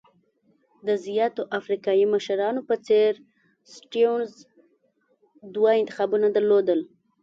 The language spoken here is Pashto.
د زیاترو افریقایي مشرانو په څېر سټیونز دوه انتخابونه درلودل.